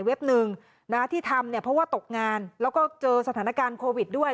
หนึ่งนะที่ทำเนี่ยเพราะว่าตกงานแล้วก็เจอสถานการณ์โควิดด้วย